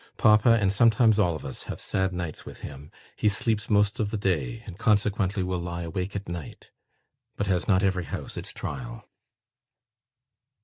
Papa, and sometimes all of us, have sad nights with him. He sleeps most of the day, and consequently will lie awake at night. But has not every house its trial?"